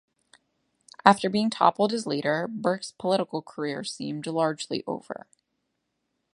After being toppled as leader, Burke's political career seemed largely over.